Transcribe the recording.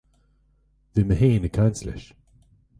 Bhí mé féin ag caint leis